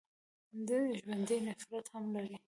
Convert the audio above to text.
ژوندي نفرت هم لري